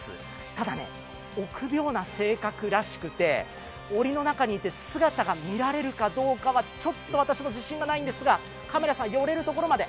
ただね、臆病な性格らしくておりの中にいて姿が見られるかどうかはちょっと私も自信がないんですが、カメラさん、寄れるところまで。